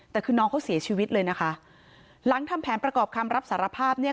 แต่คือน้องเขาเสียชีวิตเลยนะคะหลังทำแผนประกอบคำรับสารภาพเนี่ย